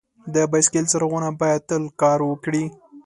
د بایسکل څراغونه باید تل کار وکړي.